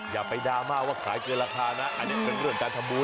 อย่าไปดราม่าว่าขายเกินราคานะอันนี้เป็นเรื่องการทำบุญ